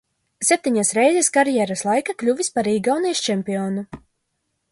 Septiņas reizes karjeras laikā kļuvis par Igaunijas čempionu.